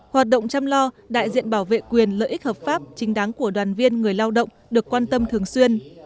hoạt động chăm lo đại diện bảo vệ quyền lợi ích hợp pháp chính đáng của đoàn viên người lao động được quan tâm thường xuyên